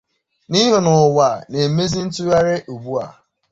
n'ihi na ụwa na-emezị ntụgharị ugbua.